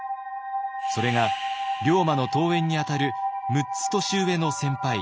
それが龍馬の遠縁にあたる６つ年上の先輩